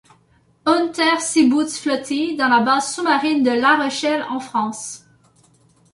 Unterseebootsflottille dans la base sous-marine de La Rochelle en France.